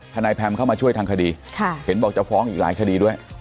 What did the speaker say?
ทนายแพมเข้ามาช่วยทางคดีเห็นบอกจะฟ้องอีกหลายคดีด้วย